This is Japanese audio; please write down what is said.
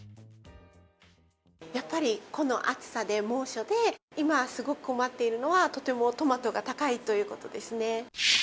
やっぱりこの暑さで、猛暑で、今すごく困っているのは、とてもトマトが高いということですね。